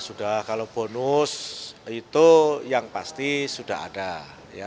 sudah kalau bonus itu yang pasti sudah ada